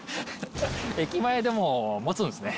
駅前でも持つんすね。